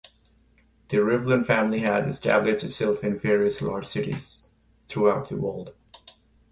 The Rivlin family has established itself in various large cities throughout the world.